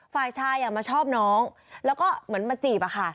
ฝ่ายชายมาชอบน้องแล้วก็เหมือนมาจีบอะค่ะ